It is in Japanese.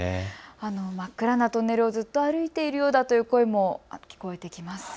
真っ暗なトンネルをずっと歩いているようだという声も聞こえてきます。